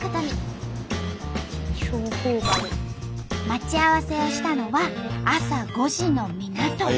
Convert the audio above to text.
待ち合わせしたのは朝５時の港。